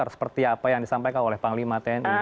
seperti apa yang disampaikan oleh panglima tni